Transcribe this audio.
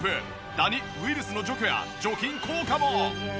ダニ・ウイルスの除去や除菌効果も！